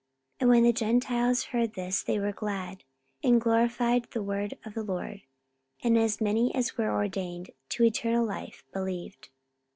44:013:048 And when the Gentiles heard this, they were glad, and glorified the word of the Lord: and as many as were ordained to eternal life believed.